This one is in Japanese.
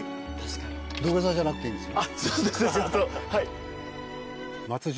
土下座じゃなくていいんですね？